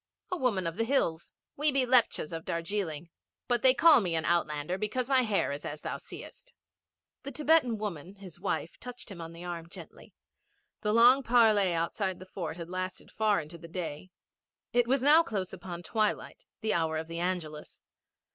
'A woman of the hills. We be Lepchas of Darjeeling, but me they call an outlander because my hair is as thou seest.' The Thibetan woman, his wife, touched him on the arm gently. The long parley outside the fort had lasted far into the day. It was now close upon twilight the hour of the Angelus.